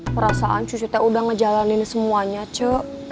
perasaan cucu teh udah ngejalanin semuanya ce